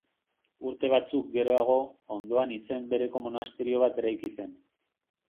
Urte batzuk geroago, ondoan izen bereko monasterio bat eraiki zen.